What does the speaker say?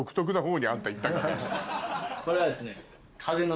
これはですね。